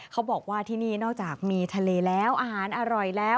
เขาบอกว่าที่นี่นอกจากมีทะเลแล้วอาหารอร่อยแล้ว